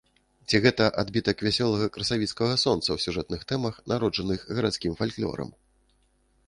Ці гэта адбітак вясёлага красавіцкага сонца ў сюжэтных тэмах, народжаных гарадскім фальклорам?